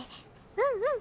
うんうん。